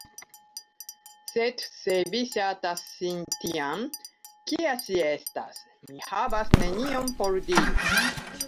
Sed se vi ŝatas ŝin tian, kia ŝi estas, mi havas nenion por diri.